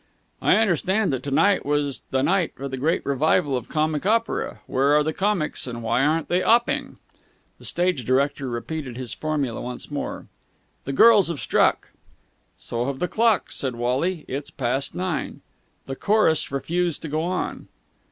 "I understood that to night was the night for the great revival of comic opera. Where are the comics, and why aren't they opping?" The stage director repeated his formula once more. "The girls have struck!" "So have the clocks," said Wally. "It's past nine." "The chorus refuse to go on."